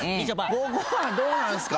ここはどうなんすか？